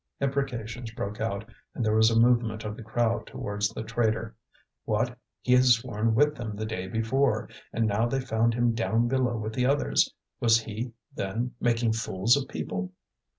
Imprecations broke out and there was a movement of the crowd towards the traitor. What! he had sworn with them the day before, and now they found him down below with the others! Was he, then, making fools of people?